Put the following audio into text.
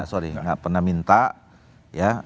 sorry nggak pernah minta ya